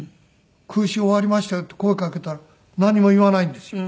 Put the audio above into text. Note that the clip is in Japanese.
「空襲終わりましたよ」って声かけたらなんにも言わないんですよ。